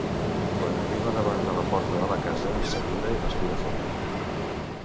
Quan arriba davant de la porta de la casa s'atura i respira fondo.